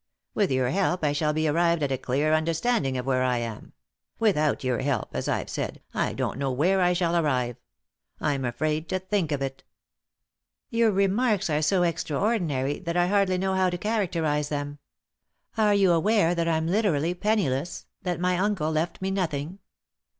With your help I shall have arrived 3i 9 iii^d by Google THE INTERRUPTED KISS at a clear understanding of where I am ; without your help, as I've said, I don't know where I shall arrive— I'm afraid to think of it." " Your remarks are so extraordinary that I hardly know how to characterise them. Are you aware that I'm literally penniless — that my uncle left me nothing